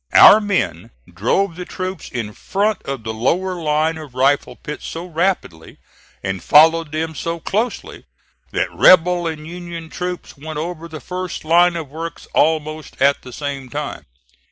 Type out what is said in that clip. Our men drove the troops in front of the lower line of rifle pits so rapidly, and followed them so closely, that rebel and Union troops went over the first line of works almost at the same time.